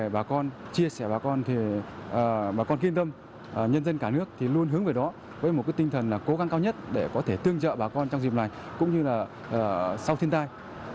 bà con kinh tâm nhân dân cả nước luôn hướng về đó với một tinh thần cố gắng cao nhất để có thể tương trợ bà con trong dịp này cũng như là sau thiên tai